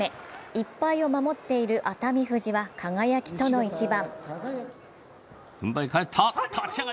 １敗を守っている熱海富士は輝との一番。